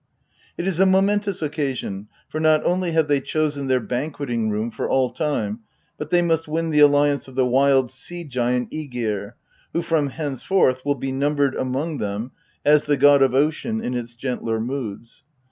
It is a momentous occasion, for not only have they chosen their banqueting room for all time, but they must win the alliance of the wild sea giant fligir, who from henceforth will be numbered among them ;t\nk e gd of ocean in its gentler moods.